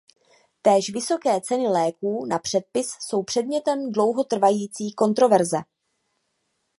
Též vysoké ceny léků na předpis jsou předmětem dlouho trvající kontroverze.